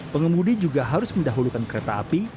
pengemudi juga harus mendahulukan kereta api